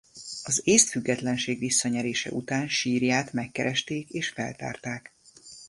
Az észt függetlenség visszanyerése után sírját megkeresték és feltárták.